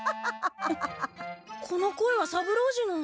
あっこの声は三郎次の。